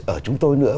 ở chúng tôi nữa